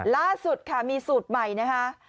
ล่าสุดค่ะมีสูตรใหม่นะคะ